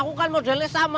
jangan bat earth nya ya